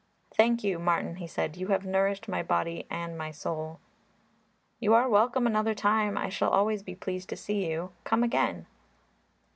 "Thank you Martin," he said; "you have nourished my body and my soul." "You are welcome another time. I shall always be pleased to see you; come again."